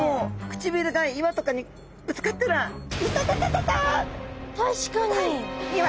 唇が岩とかにぶつかったら確かに。